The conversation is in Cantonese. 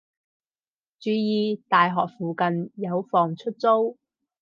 注意！大學附近有房出租